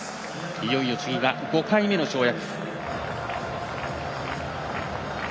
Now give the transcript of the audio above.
いよいよ次が５回目の跳躍。